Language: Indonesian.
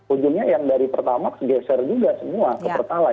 ujungnya yang dari pertamak segeser juga semua ke pertalat